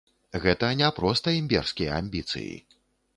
Гэта не проста імперскія амбіцыі.